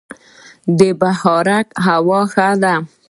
د بهارک هوا ښه ده